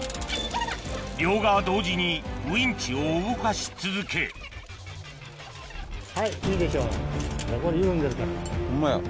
両側同時にウインチを動かし続けホンマや。